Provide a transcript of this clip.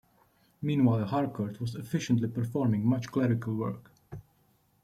Meanwhile Harcourt was efficiently performing much clerical work.